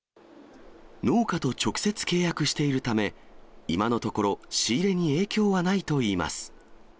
農家と直接契約しているため、今のところ、仕入れに影響はないといいます。